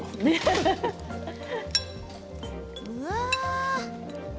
うわ！